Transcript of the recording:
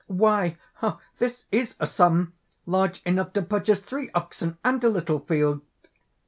_) "Why, this is a sum ... large enough to purchase three oxen ... and a little field!"